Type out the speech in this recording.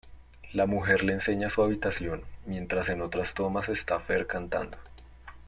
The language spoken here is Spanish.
La mujer le enseña su habitación, mientras en otras tomas está Fher cantando.